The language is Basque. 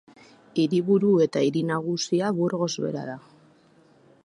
Hiriburu eta hiri nagusia Burgos bera da.